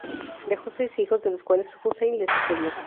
Dejó seis hijos, de los cuales Hussain le sucedió.